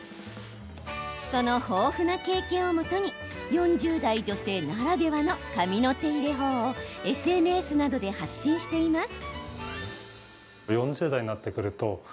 その豊富な経験をもとに４０代女性ならではの髪の手入れ法をＳＮＳなどで発信しています。